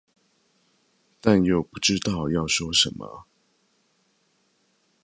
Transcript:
但又不知道要說什麼